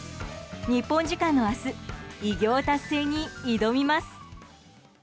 日本時間の明日偉業達成に挑みます。